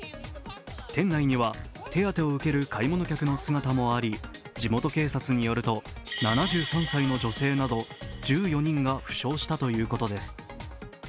店内には手当てを受ける買い物客の姿もあり、地元警察によると７３歳の女性など１４人が負傷したということです。